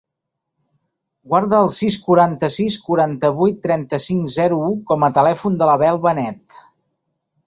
Guarda el sis, quaranta-sis, quaranta-vuit, trenta-cinc, zero, u com a telèfon de l'Abel Benet.